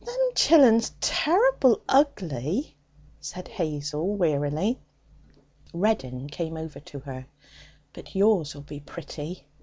'Them chillun's terrible ugly,' said Hazel wearily. Reddin came over to her. 'But yours'll be pretty!'